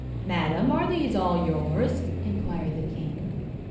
"Madam, are these all yours?" inquired the king.